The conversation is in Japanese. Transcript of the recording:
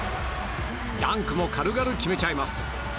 ダンクも軽々決めちゃいます。